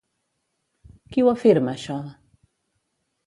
Qui ho afirma això?